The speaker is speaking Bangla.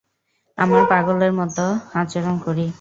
আমরা পাগলের মতো আচরণ করি।